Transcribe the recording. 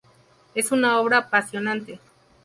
Es una obra apasionante.